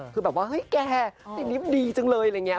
คือแบบว่าเฮ้ยแกซีรีส์ดีจังเลยอะไรอย่างนี้